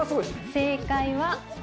正解は。